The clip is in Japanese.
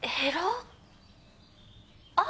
あっ！